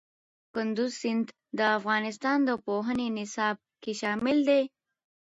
کندز سیند د افغانستان د پوهنې نصاب کې شامل دی.